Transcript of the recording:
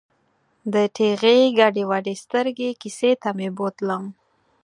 د ټېغې ګډې ودې سترګې کیسې ته مې بوتلم.